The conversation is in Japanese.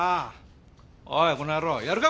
おいこの野郎やるか？